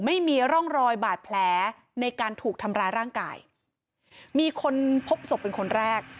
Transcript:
ไม่มีร่องรอยบาดแผลในการถูกทำร้ายร่างกายมีคนพบศพเป็นคนแรก